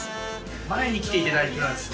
前に来ていただいてたんですね。